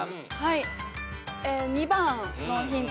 ２番のヒント